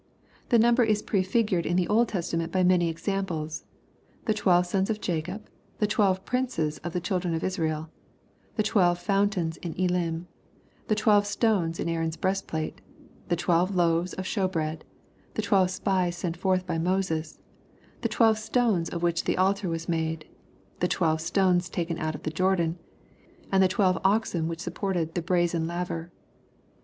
The number is prefigured in the Old Testament by many examples, — ^by the twelve sons of Jacob, — the twelve princes of the children of Israel, — the twelve fountains in Elim, — the twelve stones in Aaron's breastplate, — ^the twelve loaves of shew bread, — the twelve spies sent forth by Moses, — the twelve stones of which the altar was made, — the twelve stones taken out of Jordan, — ^and the twelve oxen which supported the brazen laver.